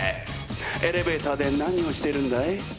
エレベーターで何をしてるんだい？